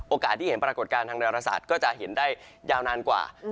โอกาสที่เห็นปรากฏการณ์ทางนรสัตว์ก็จะเห็นได้ยาวนานกว่า